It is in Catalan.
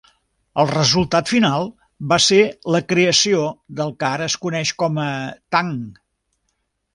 El resultat final va ser la creació del què ara es coneix com a tanc.